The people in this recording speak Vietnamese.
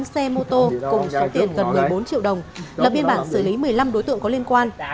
bốn xe mô tô cùng số tiền gần một mươi bốn triệu đồng lập biên bản xử lý một mươi năm đối tượng có liên quan